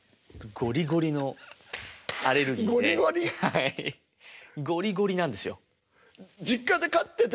ゴリゴリなんですよ。